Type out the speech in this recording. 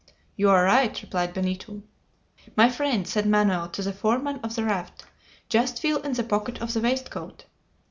"You are right," replied Benito. "My friend," said Manoel to the foreman of the raft, "just feel in the pocket of the waistcoat."